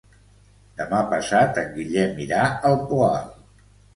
Demà passat en Guillem irà al Poal.